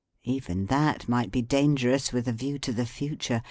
Even that might be dangerous with a view to the future.